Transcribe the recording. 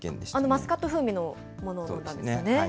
マスカット風味のものなんですよね。